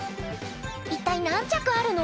一体何着あるの？